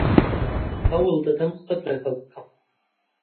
هەوڵ دەدەم قسەت لەگەڵ بکەم.